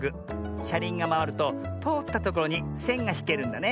しゃりんがまわるととおったところにせんがひけるんだね。